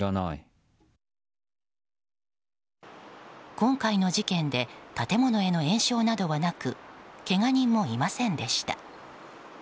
今回の事件で建物への延焼などはなくけが人もいませんでした。